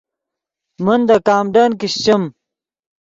من دے کامڈن کیشچیم